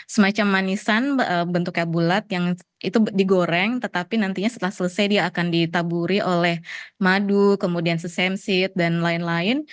semacam manisan bentuknya bulat yang itu digoreng tetapi nantinya setelah selesai dia akan ditaburi oleh madu kemudian susensit dan lain lain